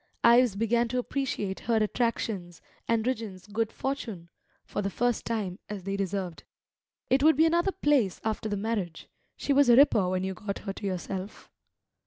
Ives began to appreciate her attractions, and Rigden's good fortune, for the first time as they deserved. It would be another place after the marriage. She was a ripper when you got her to yourself.